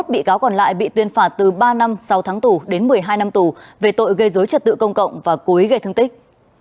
hai mươi một bị cáo còn lại bị tuyên phạt từ ba năm sau tháng tù đến một mươi hai năm tù về tội gây dối trật tự công cộng và cố ý gây thương tích